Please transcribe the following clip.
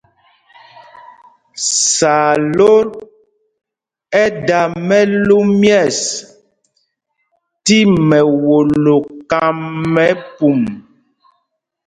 Sǎlot ɛ́ da mɛlú myɛ̂ɛs tí mɛwolo kám mɛ pum.